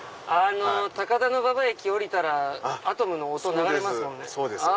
高田馬場駅降りたら『アトム』の音流れますもんね。